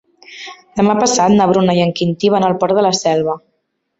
Demà passat na Bruna i en Quintí van al Port de la Selva.